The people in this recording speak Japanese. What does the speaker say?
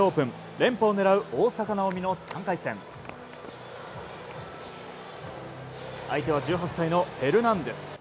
連覇を狙う大坂なおみの３回戦相手は１８歳のフェルナンデス。